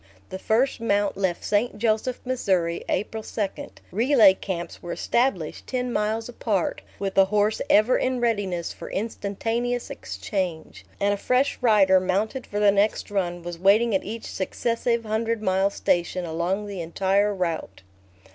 The first mount left St. Joseph, Missouri, April 2; relay camps were established ten miles apart, with a horse ever in readiness for instantaneous exchange, and a fresh rider, mounted for the next run, was waiting at each successive hundred mile station along the entire route.